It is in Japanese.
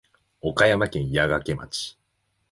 岡山県矢掛町